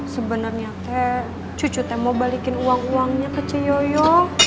sebenarnya kayak cucu saya mau balikin uang uangnya ke ciyoyo